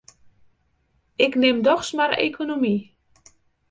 Ik nim dochs mar ekonomy.